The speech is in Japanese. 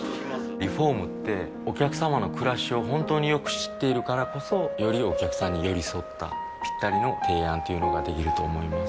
リフォームってお客様の暮らしを本当によく知っているからこそよりお客様に寄り添ったぴったりの提案というのができると思います